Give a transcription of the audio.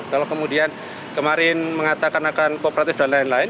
kalau kemudian kemarin mengatakan akan kooperatif dan lain lain